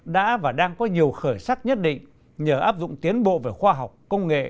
đã và đang có nhiều khởi sắc nhất định nhờ áp dụng tiến bộ về khoa học công nghệ